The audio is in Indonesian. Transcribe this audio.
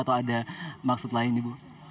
atau ada maksud lain ibu